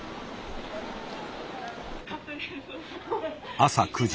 朝９時。